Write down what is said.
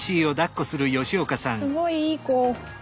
すごいいい子。